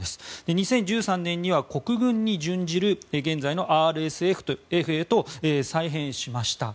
２０１３年には、国軍に準じる現在のＲＳＦへと再編しました。